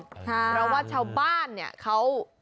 เพราะว่าชาวบ้านเนี่ยเขา